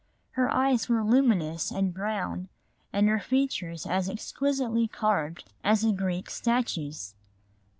Her eyes were luminous and brown and her features as exquisitely carved as a Greek statue's.